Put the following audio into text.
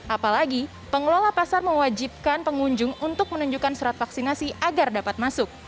apalagi pengelola pasar mewajibkan pengunjung untuk menunjukkan surat vaksinasi agar dapat masuk